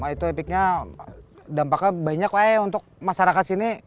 itu epicnya dampaknya banyak lah ya untuk masyarakat sini